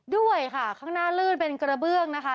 ด้วยค่ะข้างหน้าลื่นเป็นกระเบื้องนะคะ